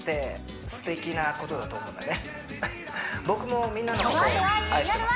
僕もみんなのことを愛してます